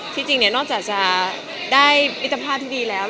จริงเนี่ยนอกจากจะได้มิตรภาพที่ดีแล้ว